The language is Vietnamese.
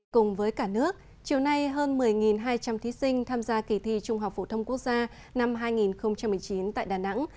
cùng với cả nước chiều nay hơn một mươi hai trăm linh thí sinh tham gia kỳ thi trung học phổ thông quốc gia năm hai nghìn một mươi chín tại đà nẵng